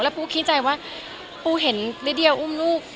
และปูคิดใจว่าปูเห็นเล็กอุ้มลูก